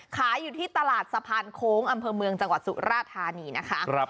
ขายอยู่ที่ตลาดสะพานโค้งอำเภอเมืองจังหวัดสุราธานีนะคะ